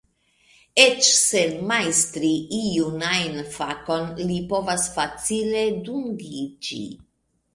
Eĉ sen majstri iun ajn fakon li povas facile dungiĝi.